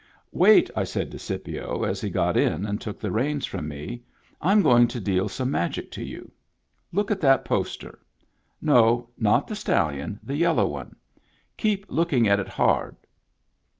" Wait," I said to Scipio, as he got in and took the reins from me. "I'm going to deal some magic to you. Look at that poster. No, not the stallion, the yellow one. Keep looking at it hard."